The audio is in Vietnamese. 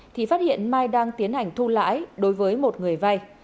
thì phát hiện mai đang tiến hành thu lãi đối với một người vay